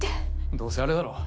どうせあれだろ？